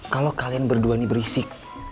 kalau kalian berdua ini berisik